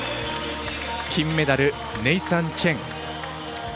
金メダル、ネイサン・チェン。